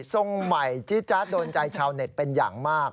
ทรงใหม่จี๊จ๊ะโดนใจชาวเน็ตเป็นอย่างมาก